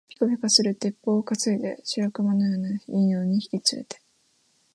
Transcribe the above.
ぴかぴかする鉄砲をかついで、白熊のような犬を二匹つれて、